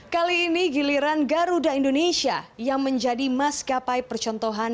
kali ini giliran garuda indonesia yang menjadi maskapai percontohan